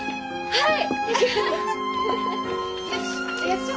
はい！